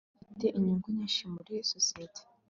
data afite inyungu nyinshi muri sosiyete